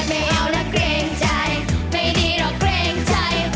ไม่เอาแล้วเกรงใจไม่ดีหรอกเกรงใจ